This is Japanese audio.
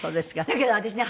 だけど私ね